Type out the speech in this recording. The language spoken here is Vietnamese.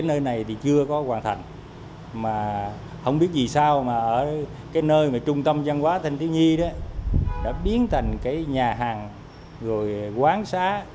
nơi này thì chưa có hoàn thành mà không biết gì sao mà ở cái nơi mà trung tâm văn hóa thanh thiếu nhi đó đã biến thành cái nhà hàng rồi quán xá